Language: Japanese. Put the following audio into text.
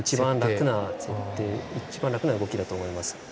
一番楽な動きだと思います。